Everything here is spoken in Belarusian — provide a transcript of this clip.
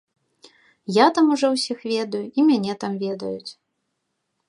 Я там ужо ўсіх ведаю, і мяне там ведаюць.